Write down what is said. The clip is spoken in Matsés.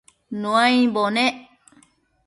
Nuaimbo nec